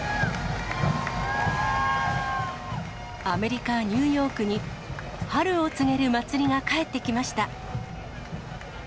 アメリカ・ニューヨークに、春を告げる祭りが帰ってきました。